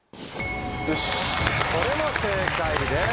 これも正解です。